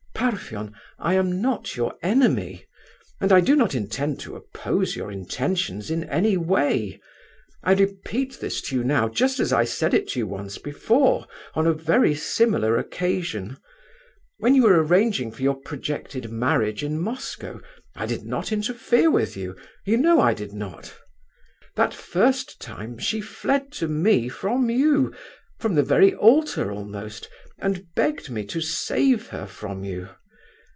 "Parfen, I am not your enemy, and I do not intend to oppose your intentions in any way. I repeat this to you now just as I said it to you once before on a very similar occasion. When you were arranging for your projected marriage in Moscow, I did not interfere with you—you know I did not. That first time she fled to me from you, from the very altar almost, and begged me to 'save her from you.